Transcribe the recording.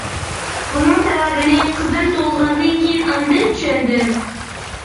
بۇنىڭ سەۋەبىنى قىزىم تۇغۇلغاندىن كېيىن ئاندىن چۈشەندىم.